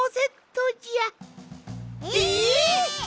え！？